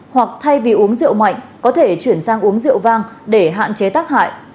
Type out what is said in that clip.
hoặc thay vì uống rượu mạnh có thể chuyển sang uống rượu vang để hạn chế tác hại